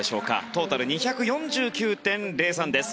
トータル２４９．０３です。